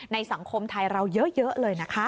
สังคมไทยเราเยอะเลยนะคะ